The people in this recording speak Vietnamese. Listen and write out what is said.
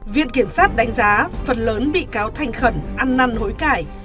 viện kiểm sát đánh giá phần lớn bị cáo thành khẩn ăn năn hối cải